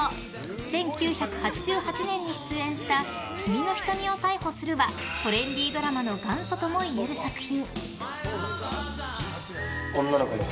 １９８８年に出演した「君の瞳をタイホする！」はトレンディードラマの元祖ともいえる作品。